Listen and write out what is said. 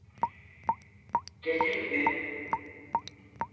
Ceset mi?